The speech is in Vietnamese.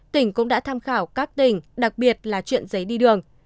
tỉnh cũng đã tham khảo các tỉnh đặc biệt là chuyện giấy đi đường